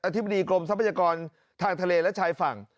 ธิบดีกรมทรัพยากรทางทะเลและชายฝั่ง